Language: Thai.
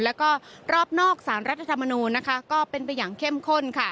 และรอบนอกศาลรัฐธรรมนูลเป็นไปอย่างเข้มข้น